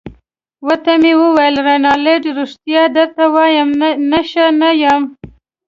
ورته ومې ویل: رینالډي ريښتیا درته وایم، نشه نه یم.